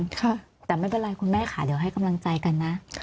แต่ไม่เป็นไรคุณแม่ค่ะเดี๋ยวให้กำลังใจกันนะ